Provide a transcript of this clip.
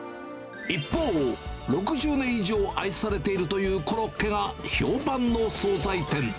一方、６０年以上愛されているというコロッケが評判の総菜店。